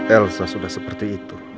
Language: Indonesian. elsa sudah seperti itu